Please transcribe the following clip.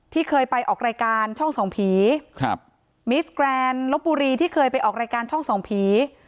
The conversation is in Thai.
ที่เคยไปออกรายการช่องส่องผีครับที่เคยไปออกรายการช่องส่องผี